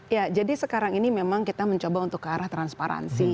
ya jadi sekarang ini memang kita mencoba untuk ke arah transparansi